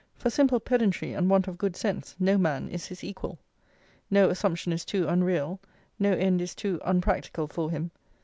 For simple pedantry and want of good sense no man is his equal. No assumption is too unreal, no end is too unpractical for him.